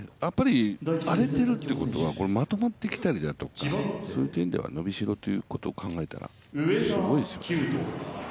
荒れているということは、まとまってきたりだとか、そういった意味では伸びしろということを考えたらすごいですよね。